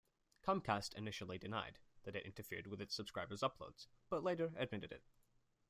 Comcast initially denied that it interfered with its subscribers' uploads, but later admitted it.